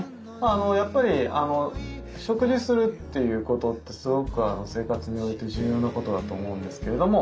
やっぱり食事するっていうことってすごく生活において重要なことだと思うんですけれども。